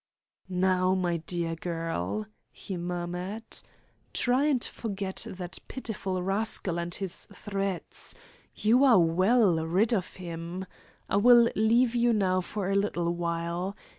"Now, my dear girl," he murmured, "try and forget that pitiful rascal and his threats. You are well rid of him. I will leave you now for a little while.